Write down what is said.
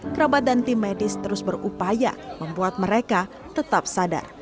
kerabatan tim medis terus berupaya membuat mereka tetap sadar